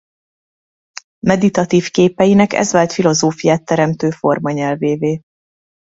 Meditatív képeinek ez vált filozófiát teremtő formanyelvévé.